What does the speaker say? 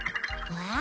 わあ！